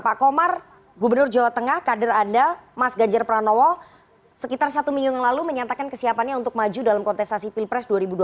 pak komar gubernur jawa tengah kader anda mas ganjar pranowo sekitar satu minggu yang lalu menyatakan kesiapannya untuk maju dalam kontestasi pilpres dua ribu dua puluh